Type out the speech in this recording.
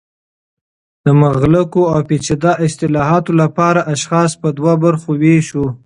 د مغلقو او پیچده اصطالحاتو لپاره اشخاص په دوه برخو ویشو